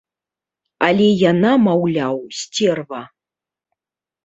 Але яна, маўляў, сцерва.